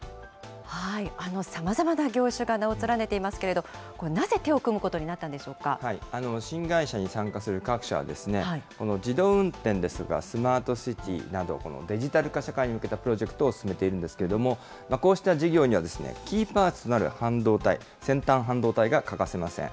さまざまな業種が名を連ねていますけれど、なぜ手を組むこと新会社に参加する各社は、この自動運転ですとかスマートシティーなど、デジタル化社会に向けたプロジェクトを進めているんですけれども、こうした事業にはですね、キーパーツとなる半導体、先端半導体が欠かせません。